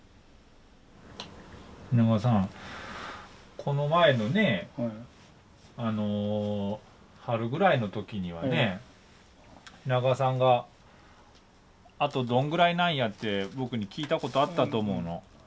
この前のねえ春ぐらいの時にはね品川さんが「あとどんぐらいなんや」って僕に聞いたことあったと思うの。